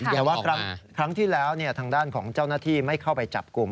แต่ว่าครั้งที่แล้วทางด้านของเจ้าหน้าที่ไม่เข้าไปจับกลุ่ม